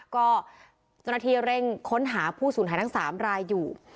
ก็เจ้าหน้าที่เร่งค้นหาผู้สูญหายทั้ง๓รายอยู่